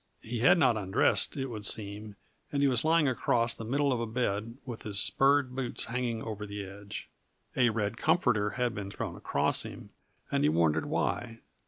He had not undressed, it would seem, and he was lying across the middle of a bed with his spurred boots hanging over the edge. A red comforter had been thrown across him, and he wondered why.